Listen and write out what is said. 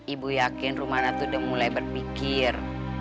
ibu yakin rumana tuh udah mulai berpikir